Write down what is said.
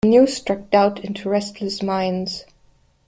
The news struck doubt into restless minds.